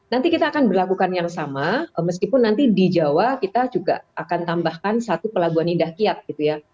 nanti kita akan berlakukan yang sama meskipun nanti di jawa kita juga akan tambahkan satu pelabuhan indah kiat gitu ya